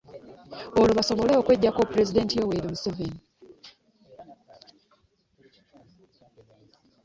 Olwo basobole okweggyako Pulezidenti Yoweri Museveni.